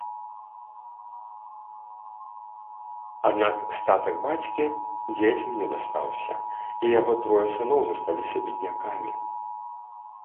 Аднак статак бацькі дзецям не дастаўся, і яго трое сыноў засталіся беднякамі.